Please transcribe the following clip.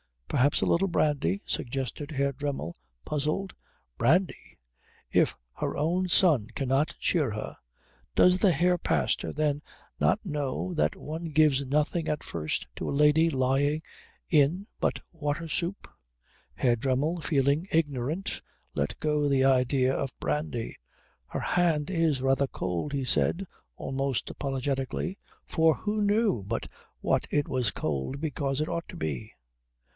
"Perhaps a little brandy?" suggested Herr Dremmel, puzzled. "Brandy! If her own son cannot cheer her Does the Herr Pastor then not know that one gives nothing at first to a lady lying in but water soup?" Herr Dremmel, feeling ignorant, let go the idea of brandy. "Her hand is rather cold," he said, almost apologetically, for who knew but what it was cold because it ought to be?